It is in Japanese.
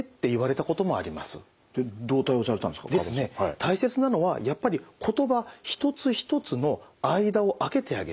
大切なのはやっぱり言葉一つ一つの間を空けてあげる。